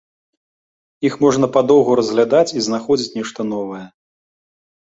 Іх можна падоўгу разглядаць і знаходзіць нешта новае.